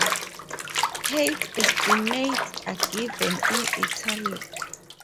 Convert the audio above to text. Height estimates are given in "italics".